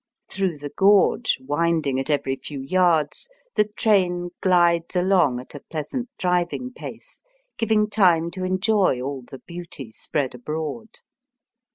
Through the gorge, winding at every few yards, the train glides along at a pleasant driving pace, giving time to enjoy all the beauty spread abroad.